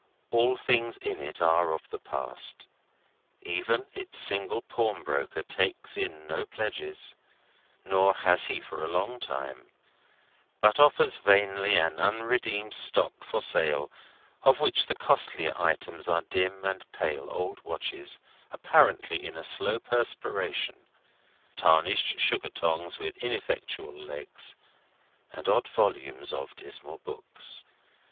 All things in it are of the past. Even its single pawnbroker takes in no pledges, nor has he for a long time, but offers vainly an unredeemed stock for sale, of which the costlier articles are dim and pale old watches apparently in a slow perspiration, tarnished sugar tongs with ineffectual legs, and odd volumes of dismal books.